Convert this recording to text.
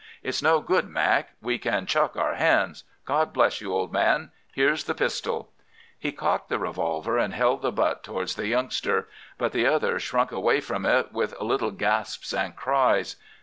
It's no good, Mac. We can chuck our hands. God bless you, old man! Here's the pistol!' "He cocked the revolver, and held the butt towards the youngster. But the other shrunk away from it with little gasps and cries.